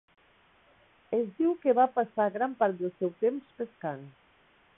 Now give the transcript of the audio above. Es diu que va passar gran part del seu temps pescant.